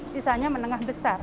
sisanya menengah besar